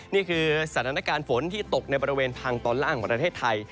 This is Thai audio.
นี่คือสถานการณ์ฝนที่ตกในบริเวณทางตอนล่างของประเทศไทย